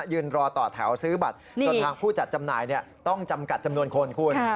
ยืนรอต่อแถวซื้อบัตรจนทางผู้จัดจำหน่ายต้องจำกัดจำนวนคนคุณ